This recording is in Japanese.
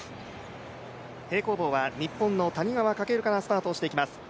平行棒は日本の谷川翔からスタートしていきます。